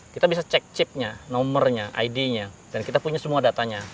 kita bisa cek chipnya nomernya idnya dan kita punya semua datanya